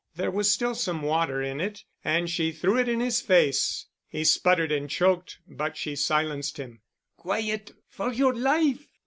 There was still some water in it, and she threw it in his face. He sputtered and choked, but she silenced him. "Quiet—for your life!